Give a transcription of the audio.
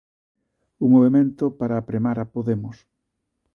Un movemento para apremar a Podemos.